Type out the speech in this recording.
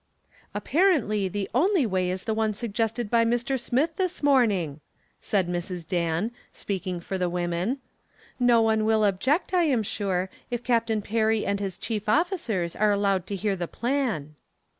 "Apparently the only way is the one suggested by Mr. Smith this morning," said Mrs. Dan, speaking for the women. "No one will object, I am sure, if Captain Perry and his chief officers are allowed to hear the plan."